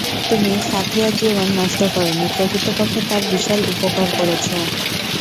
তুমি সাথ্যীয়ার জীবন নষ্ট করোনি, প্রকৃতপক্ষে তার বিশাল উপকার করেছ।